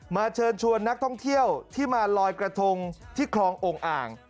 เชิญชวนนักท่องเที่ยวที่มาลอยกระทงที่คลององค์อ่าง